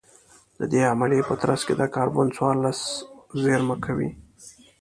د دې عملیې په ترڅ کې کاربن څوارلس زېرمه کوي